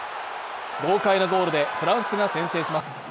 豪快なゴールでフランスが先制します。